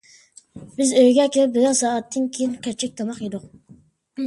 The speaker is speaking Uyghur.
بىز ئۆيگە كېلىپ، بىرەر سائەتتىن كېيىن كەچلىك تاماق يېدۇق.